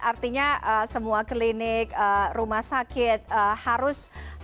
artinya semua klinik rumah sakit harus